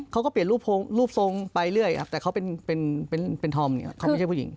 เขาก็เปลี่ยนรูปทรงไปเรื่อยครับแต่เขาเป็นธอมเนี่ยเขาไม่ใช่ผู้หญิง